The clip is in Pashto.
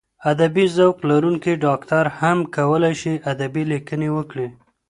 ادبي ذوق لرونکی ډاکټر هم کولای شي ادبي لیکنې وکړي.